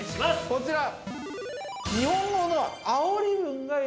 ◆こちら。